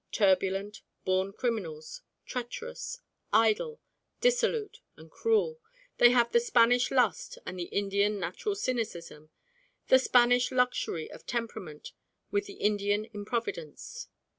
Turbulent, born criminals, treacherous, idle, dissolute, and cruel, they have the Spanish lust and the Indian natural cynicism, the Spanish luxury of temperament with the Indian improvidence.